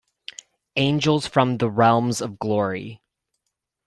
Angels from the realms of glory.